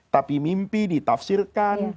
tapi mimpi ditafsirkan